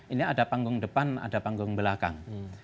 ini ada panggung depan ada panggung belakang